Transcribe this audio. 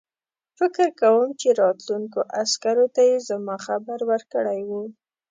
فکر کوم چې راتلونکو عسکرو ته یې زما خبر ورکړی وو.